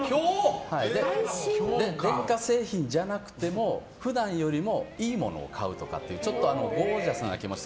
電化製品じゃなくても普段よりもいいものを買うとかちょっとゴージャスな気持ち